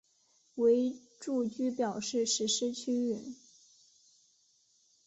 为住居表示实施区域。